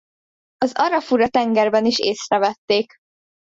Az Arafura-tengerben is észrevették.